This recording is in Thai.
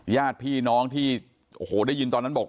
ญาติพี่น้องที่โอ้โหได้ยินตอนนั้นบอก